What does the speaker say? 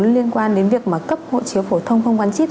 liên quan đến việc mà cấp hộ chiếu phổ thông không gắn chip